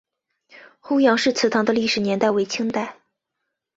欧阳氏祠堂的历史年代为清代。